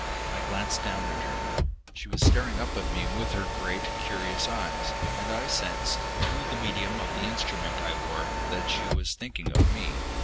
I glanced down at her. She was staring up at me with her great, curious eyes, and I sensed, through the medium of the instrument I wore, that she was thinking of me.